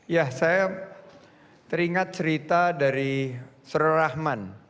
ya saya teringat cerita dari sri rahman